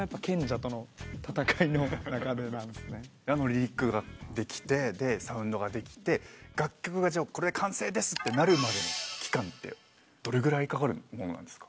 リリックができてサウンドができて楽曲がこれで完成ですってなるまでの期間ってどれぐらいかかるものなんですか？